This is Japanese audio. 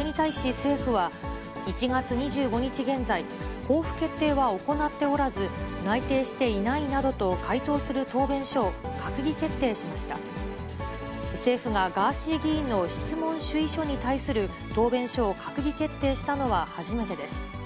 政府がガーシー議員の質問主意書に対する答弁書を閣議決定したのは初めてです。